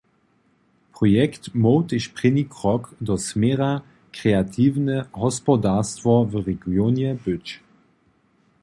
Projekt móhł tež prěni krok do směra kreatiwne hospodarstwo w regionje być.